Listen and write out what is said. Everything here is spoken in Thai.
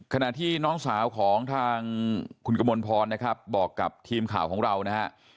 ขณะที่น้องสาวของทางคุณกมลพรนะครับบอกกับทีมข่าวของเรานะฮะ